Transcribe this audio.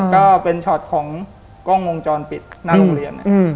ก็เป็นช็อตของกล้องวงจรปิดหน้าโรงเรียน